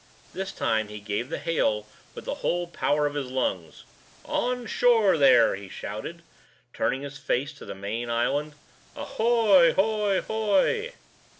This time he gave the hail with the whole power of his lungs. "On shore there!" he shouted, turning his face to the main island. "Ahoy hoy hoy!"